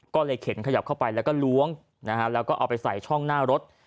ก็เลยเข็นขยับเข้าไปแล้วก็ล้วงนะฮะแล้วก็เอาไปใส่ช่องหน้ารถ